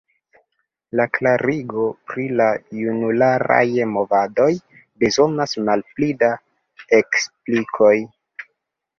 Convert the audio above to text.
La klarigo pri la junularaj movadoj bezonas malpli da eksplikoj.